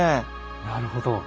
なるほど。